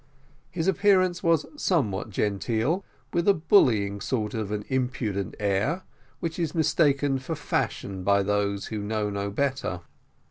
His appearance was some what genteel, with a bullying sort of an impudent air, which is mistaken for fashion by those who know no better.